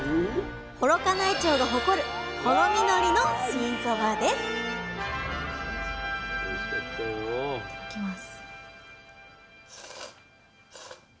幌加内町が誇るほろみのりの新そばですいただきます。